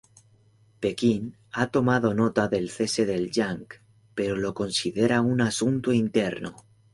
Pekín "ha tomado nota" del cese de Jang, pero lo considera "un asunto interno".